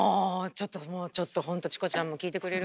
ちょっともうちょっとほんとチコちゃん聞いてくれる？